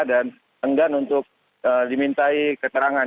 dan enggan untuk dimintai keterangan